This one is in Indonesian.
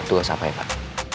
tugas apa ya pak